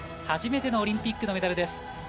初めてのオリンピックのメダルです。